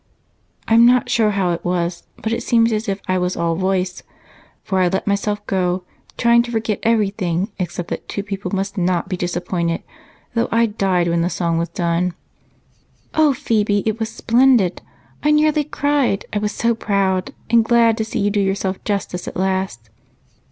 I'm not sure how it was, but it seemed as if I was all voice, for I let myself go, trying to forget everything except that two people must not be disappointed, though I died when the song was done." "Oh, Phebe, it was splendid! I nearly cried, I was so proud and glad to see you do yourself justice at last."